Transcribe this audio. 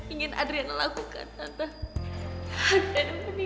ingin adriana lakukan tante